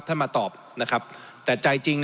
ท่านมาตอบแต่ใจจริง